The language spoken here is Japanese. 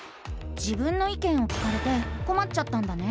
「自分の意見」を聞かれてこまっちゃったんだね？